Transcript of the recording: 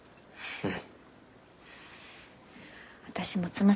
うん。